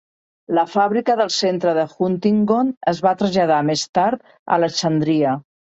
La fàbrica del centre de Huntingdon es va traslladar més tard a Alexandria.